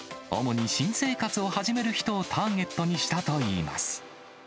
主に新生活を始める人をターゲットにしたといいます。